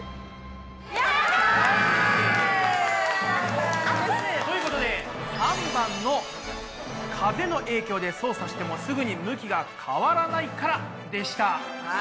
やった！ということで３番の「風の影響で操作してもすぐに向きが変わらないから」でした。